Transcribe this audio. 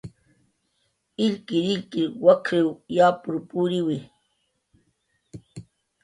"Illkirillkir wak""iw yapur puriwi"